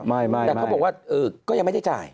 ไม่แต่เขาบอกว่าก็ยังไม่ได้จ่าย